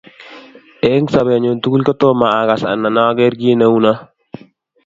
eng sobenyu tugul kotomo agas anan ager kiy neunoo